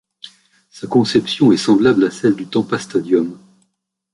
Sa conception est semblable à celle du Tampa Stadium.